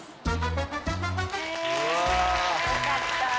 よかった。